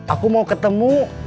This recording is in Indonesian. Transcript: aku mau ketemu